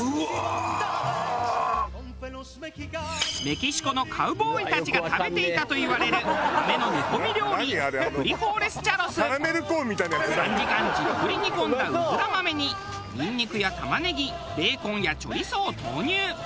メキシコのカウボーイたちが食べていたといわれる豆の煮込み料理３時間じっくり煮込んだうずら豆にニンニクやたまねぎベーコンやチョリソーを投入。